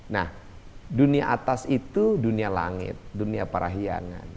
nah dunia atas itu dunia langit dunia parahiangan